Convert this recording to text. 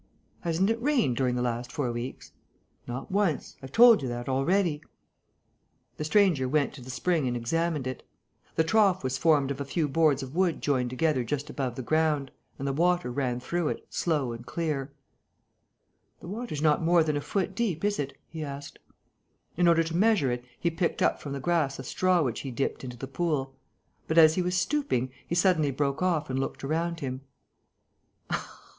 "Hasn't it rained during the last four weeks?" "Not once: I've told you that already." The stranger went to the spring and examined it. The trough was formed of a few boards of wood joined together just above the ground; and the water ran through it, slow and clear. "The water's not more than a foot deep, is it?" he asked. In order to measure it, he picked up from the grass a straw which he dipped into the pool. But, as he was stooping, he suddenly broke off and looked around him.